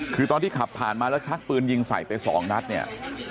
คือตอนที่ขับผ่านมาแล้วชักปืนยิงใส่ไปสองนัดเนี่ย